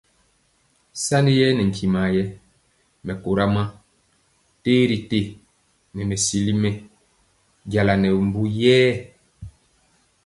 Sani yɛɛ nɛ ntimɔ yɛé mɛkora ma terité nɛ mɛsili mɛ jala nɛ mbu yɛɛ.